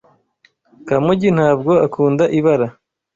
Kamugi ntabwo akunda ibara.